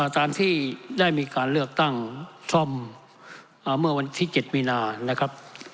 ตามที่ได้มีการเลือกตั้งซ่อมเมื่อวันที่๗มีนานะครับ